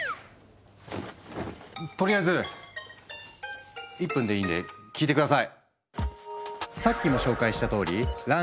とりあえず１分でいいんで聞いて下さい。